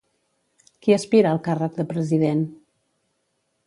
Qui aspira al càrrec de president?